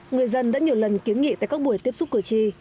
người dân đã nhiều lần kiến nghị tại các buổi tiếp xúc cửa chi